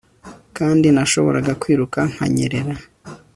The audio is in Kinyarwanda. Kandi nashoboraga kwiruka nkanyerera